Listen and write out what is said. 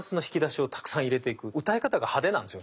歌い方が派手なんすよ